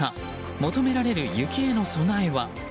求められる雪への備えは？